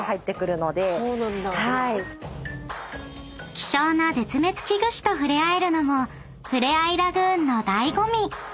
［希少な絶滅危惧種とふれあえるのもふれあいラグーンの醍醐味］